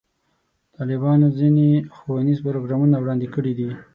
طالبانو ځینې ښوونیز پروګرامونه وړاندې کړي دي.